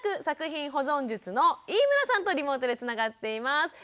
作品保存術！」の飯村さんとリモートでつながっています。